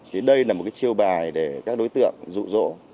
thế đây là một chiêu bài để các đối tượng rụ rỗ